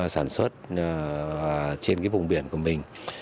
sản xuất trên cái vùng biển của mình